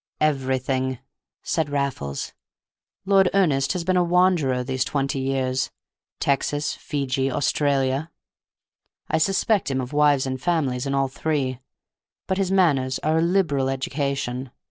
"Everything," said Raffles. "Lord Ernest has been a wanderer these twenty years. Texas, Fiji, Australia. I suspect him of wives and families in all three. But his manners are a liberal education.